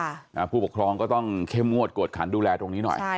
อ่าผู้ปกครองก็ต้องเข้มงวดกวดขันดูแลตรงนี้หน่อยใช่